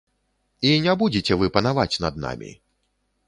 І не будзеце вы панаваць над намі.